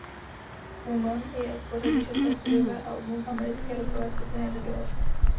Woman je v pořadí šesté studiové album americké rockové skupiny The Doors.